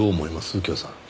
右京さん。